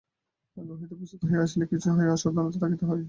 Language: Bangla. আগে হইতে প্রস্তুত হইয়া আসিলে কিছু হয় না, অসাবধান থাকিতে হয়।